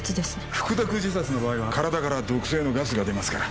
服毒自殺の場合は体から毒性のガスが出ますから。